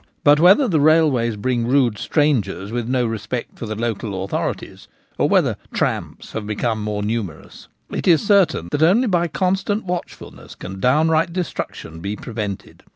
But whether the railways bring rude strangers with no respect for the local authorities, or whether ' tramps ' have become more numerous, it is certain that only by constant watchfulness can downright destruction be prevented.